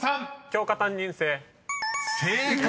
「教科担任制」［正解！］